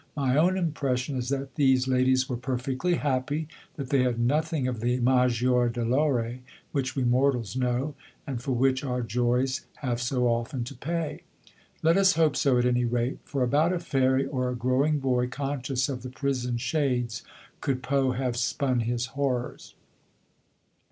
My own impression is that these ladies were perfectly happy, that they had nothing of that maggior' dolore which we mortals know, and for which our joys have so often to pay. Let us hope so at any rate, for about a fairy or a growing boy conscious of the prison shades could Poe have spun his horrors.